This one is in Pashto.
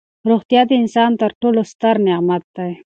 روغتیا د انسان تر ټولو ستر نعمت دی.